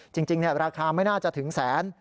จริงราคาไม่น่าจะถึงแสน